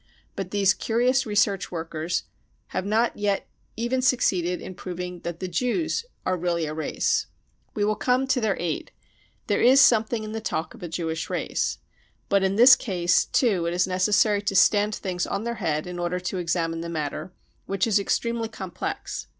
But these curious research workers have not yet even succeeded in proving that the Jews are really a " race." We will come to their aid : there is something in the talk of a Jewish race. But in this case too it is necessary to stand things on their head in order to examine the matter, which is extremely complex.